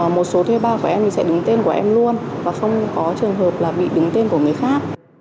một số thuê bao của em thì sẽ đứng tên của em luôn và không có trường hợp là bị đứng tên của người khác